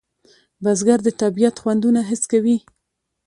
بزګر د طبیعت خوندونه حس کوي